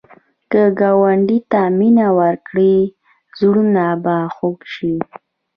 که ګاونډي ته مینه ورکړې، زړونه به خوږ شي